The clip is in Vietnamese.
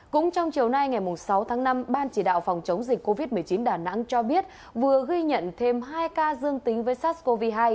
cũng trong chiều nay ngày sáu tháng năm ban chỉ đạo phòng chống dịch covid một mươi chín đà nẵng cho biết vừa ghi nhận thêm hai ca dương tính với sars cov hai